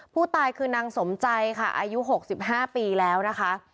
ผู้ตายคือนางสมใจค่ะอายุ๖๕ปีแล้วนะคะ